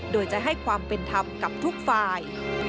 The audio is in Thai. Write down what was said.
โดยจะให้ความเป็นธรรมกับทุกฝ่าย